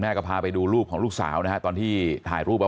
บอกว่าแม่หลักลูกก้อนลูกแม่ก้อนจะไปของโต๊ดแม่โต๊ดน้อยก่อน